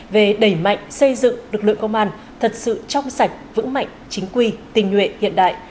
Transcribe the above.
về đẩy mạnh xây dựng lực lượng công an thật sự trong sạch vững mạnh chính quy tình nguyện hiện đại